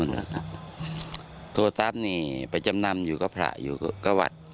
โทรศัพท์เนี่ยปฏิสินบีประจำนำอยู่บ้านเป็นพระคาวัด